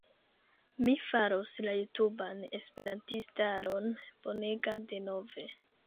Mi faros la jutuban esperantistaron bonega denove!!